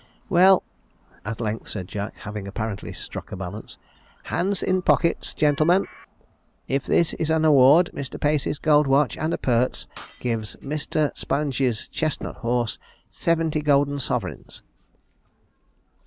'Well,' at length said Jack, having apparently struck a balance, 'hands in pocket, gen'lemen. If this is an award, Mr. Pacey's gold watch and appurts gives Mr. Sponge's chestnut horse seventy golden sovereigns.